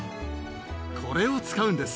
これを使うんです。